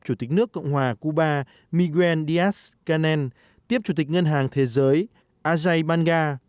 chủ tịch nước cộng hòa cuba miguel díaz canel tiếp chủ tịch ngân hàng thế giới azay banga